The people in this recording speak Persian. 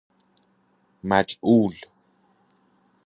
مجعول